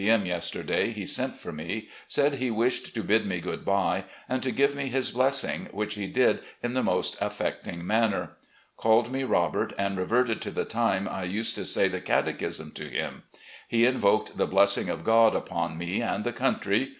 m. yesterday he sent for me, said he wished to bid me good bye, and to give me his blessing, which he did in the most affecting manner. Called me Robert and reverted to the time I used to say the catechism to him. He invoked the blessing of God upon me and the country.